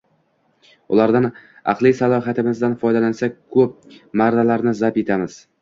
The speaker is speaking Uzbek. Ulardan, aqliy salohiyatimizdan foydalansak, koʻplab marralarni zabt etamiz.